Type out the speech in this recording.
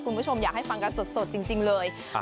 คุณผู้ชมอยากให้ฟังกันสดจริงเลย